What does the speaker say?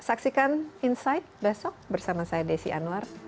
saksikan insight besok bersama saya desi anwar